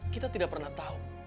kita tidak pernah tahu